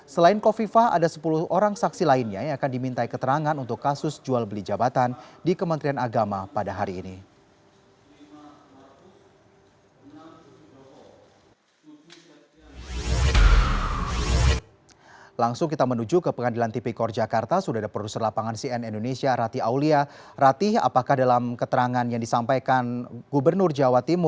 selain kofifah ada sepuluh orang saksi lainnya yang akan diminta keterangan untuk kasus jual beli jabatan di kementerian agama pada hari ini